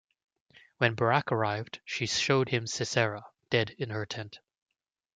When Barak arrived, she showed him Sisera, dead in her tent.